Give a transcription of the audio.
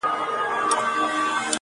او حالت ډېر دروند ښکاري